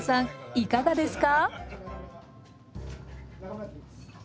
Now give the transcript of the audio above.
いかがですか？